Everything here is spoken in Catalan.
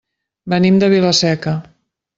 Venim de Vila-seca.